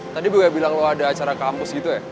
tadi gue bilang loh ada acara kampus gitu ya